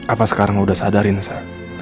apa sekarang lo udah sadarin sa